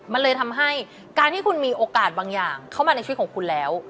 มันเลยทำให้การที่คุณมีโอกาสบางอย่างเข้ามาในชีวิตของคุณแล้ว